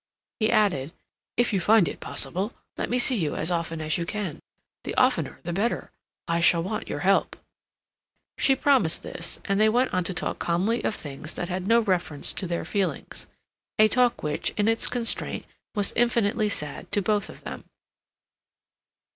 He added, "If you find it possible, let me see you as often as you can. The oftener the better. I shall want your help." She promised this, and they went on to talk calmly of things that had no reference to their feelings—a talk which, in its constraint, was infinitely sad to both of them.